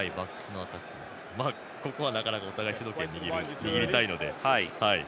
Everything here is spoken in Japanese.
ここはお互いに主導権を握りたいので。